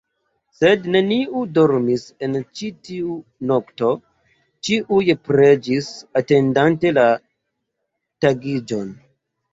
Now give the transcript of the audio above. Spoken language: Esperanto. Sed neniu dormis en ĉi tiu nokto, ĉiuj preĝis, atendante la tagiĝon.